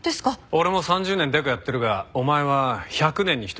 俺も３０年デカやってるがお前は１００年に一人いや